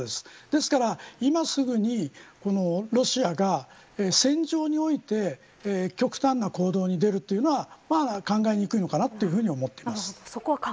ですから、今すぐにロシアが戦場において極端な行動に出るというのはまだ考えにくいのかなと思っています。